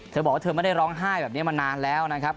เธอบอกว่าเธอไม่ได้ร้องไห้แบบนี้มานานแล้วนะครับ